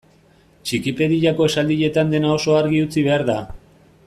Txikipediako esaldietan dena oso argi utzi behar da.